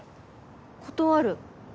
断る。